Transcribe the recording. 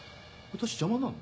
私邪魔なの？